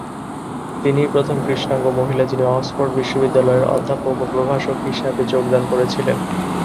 তিনিই প্রথম কৃষ্ণাঙ্গ মহিলা যিনি অক্সফোর্ড বিশ্ববিদ্যালয়ে অধ্যাপক ও প্রভাষক হিসাবে যোগদান করেছিলেন।